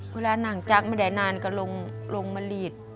เวลาหนังจักรไม่ได้นานก็ลงมาหลีด